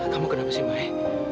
kamu kenapa sih mai